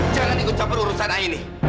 jangan ikut capur urusan aini